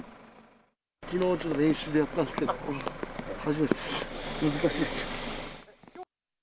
きのう、ちょっと練習でやったんですけど、初めてです、難しいです。